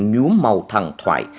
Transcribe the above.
nhú màu thần thoại